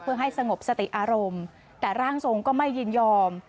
เพื่อให้สงบสติอารมณ์แต่ร่างทรงก็ไม่ยินยอม